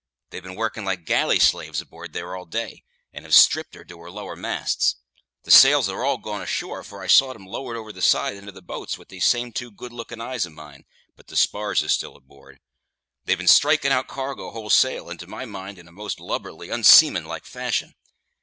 They've been working like galley slaves aboard there all day, and have stripped her to her lower masts. The sails are all gone ashore, for I saw 'em lowered over the side into the boats with these same two good looking eyes of mine, but the spars is still aboard. They've been striking out cargo wholesale, and, to my mind, in a most lubberly, un seamanlike fashion.